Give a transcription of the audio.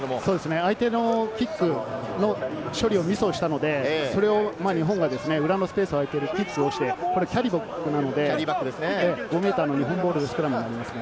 相手のキックの処理をミスをしたのでそれを日本が裏のスペースが空いてる、キャリーバックなので、５ｍの日本ボールのスクラムになりますね。